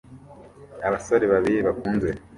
Abasore babiri bakuze